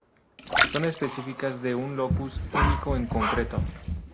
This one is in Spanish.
Son específicas de un locus único en concreto.